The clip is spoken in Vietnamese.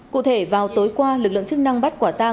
cụ thể vào tối qua lực lượng chức năng bắt quả tang